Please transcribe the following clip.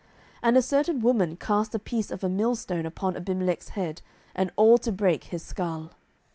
07:009:053 And a certain woman cast a piece of a millstone upon Abimelech's head, and all to brake his skull.